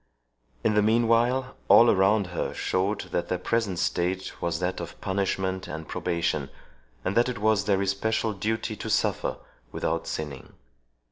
In the meanwhile, all around her showed that their present state was that of punishment and probation, and that it was their especial duty to suffer without sinning.